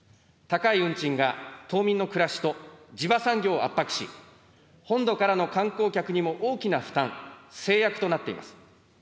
高い運賃が島民の暮らしと地場産業を圧迫し、本土からの観光客にも大きな負担、制約となっています。